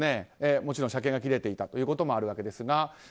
もちろん車検が切れているということもあるわけですが。